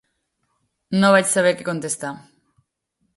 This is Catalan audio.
No vaig saber què contestar.